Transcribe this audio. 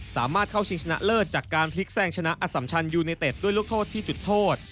สามารถเข้าชิงชนะเลิศจากการพลิกแทรกชนะอสัมชันยูเนเต็ดด้วยลูกโทษที่จุดโทษ